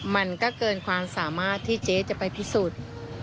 มันก็เกินความสามารถที่เจ๊จะไปพิสูจน์